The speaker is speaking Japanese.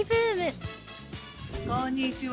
こんにちは。